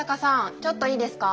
ちょっといいですか？